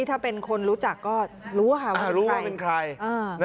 ถ้าเป็นคนรู้จักก็รู้ว่าเป็นใคร